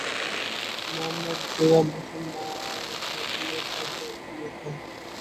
মোহাম্মদ গোলাম হোসেন জাতীয় পার্টির একজন নেতা।